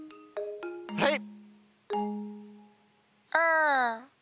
はい！